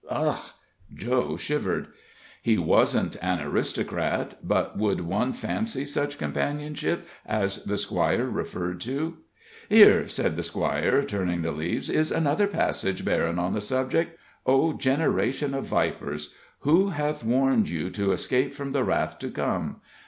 '" Ugh! Joe shivered. He wasn't an aristocrat, but would one fancy such companionship as the Squire referred to? "Here," said the Squire, turning the leaves, "is another passage bearin' on the subject. 'O, generation of vipers, who hath warned you to flee from the wrath to come?